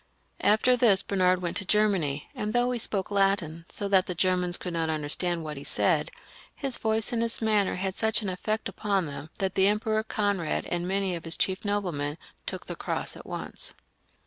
After this Bernard went to Germany, and though he spoke Latin, so that the Germans could not understand what he said, his voice and his manner had such an effect upon them, that the Emperor Conrad and many of his chief noblemen took the cross at once.